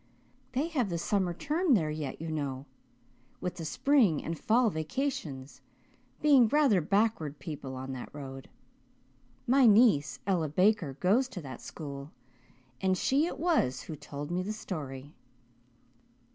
They have the summer term there yet, you know, with the spring and fall vacations, being rather backward people on that road. My niece, Ella Baker, goes to that school and she it was who told me the story.